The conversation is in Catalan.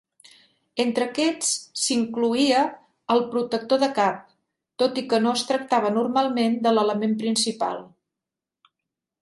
Entre aquests s'incloïa el protector de cap, tot i que no es tractava normalment de l'element principal.